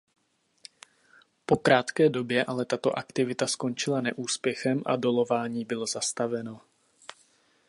Po krátké době ale tato aktivita skončila neúspěchem a dolování bylo zastaveno.